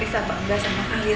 lisa bangga sama fahir